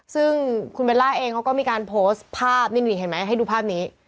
ซึ่งคุณเบลล่าเองเขาก็มีการโพสต์ภาพนี่เห็นไหมให้ดูภาพนี้